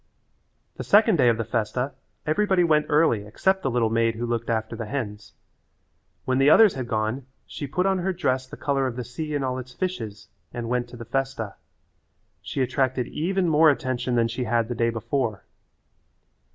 The second day of the festa everybody went early except the little maid who looked after the hens. When the others had gone she put on her dress the colour of the sea and all its fishes and went to the festa. She attracted even more attention than she had the day before.